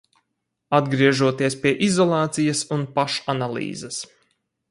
Atgriežoties pie izolācijas un pašanalīzes.